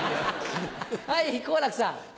はい好楽さん。